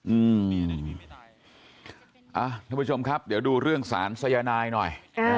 อืมทุกผู้ชมครับเดี๋ยวดูเรื่องสายไรหน่อย